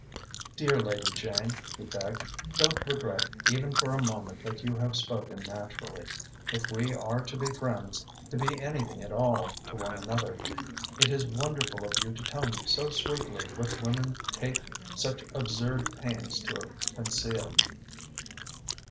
"Dear Lady Jane," he begged, "don't regret even for a moment that you have spoken naturally. If we are to be friends, to be anything at all to one another, it is wonderful of you to tell me so sweetly what women take such absurd pains to conceal.